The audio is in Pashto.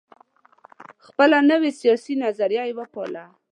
خپله نوي سیاسي نظریه یې وپالله.